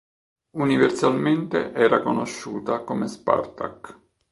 Universalmente era conosciuta come Spartak.